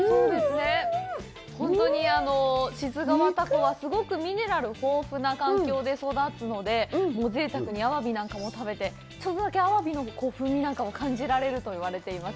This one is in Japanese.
本当に志津川タコはミネラル豊富な環境で育つので、ぜいたくにアワビなんかも食べて、ちょっとだけアワビの風味なんかも感じられると言われています。